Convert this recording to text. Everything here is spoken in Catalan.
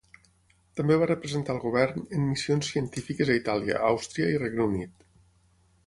També va representar al Govern en missions científiques a Itàlia, Àustria i Regne Unit.